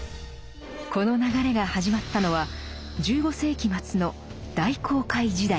この流れが始まったのは１５世紀末の大航海時代。